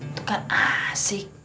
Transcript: itu kan asik